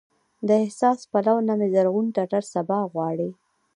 د احساس پلونه مې زرغون ټټر سبا غواړي